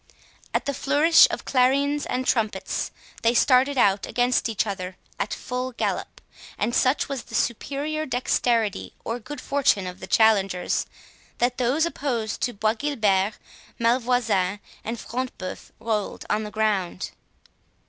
At the flourish of clarions and trumpets, they started out against each other at full gallop; and such was the superior dexterity or good fortune of the challengers, that those opposed to Bois Guilbert, Malvoisin, and Front de Bœuf, rolled on the ground.